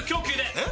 えっ？